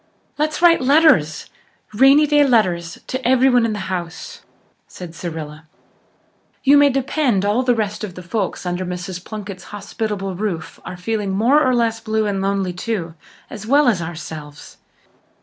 "Let's write letters rainy day letters to everyone in the house," said Cyrilla. "You may depend all the rest of the folks under Mrs. Plunkett's hospitable roof are feeling more or less blue and lonely too, as well as ourselves.